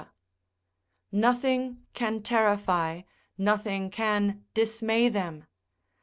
Nothing can terrify, nothing can dismay them.